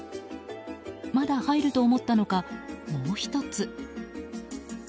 まだ入ると思ったのかもう１つ。